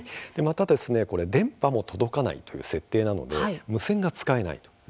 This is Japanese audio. また電波も届かない設定なので無線が使えない。